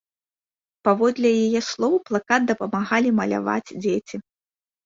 Паводле яе слоў, плакат дапамагалі маляваць дзеці.